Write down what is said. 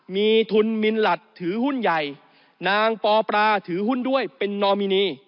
มีทุนมินลัดถือหุ้นใหญ่นางปอปราถือหุ้นด้วยเป็นนอมินี